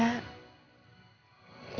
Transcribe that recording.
apa sih ya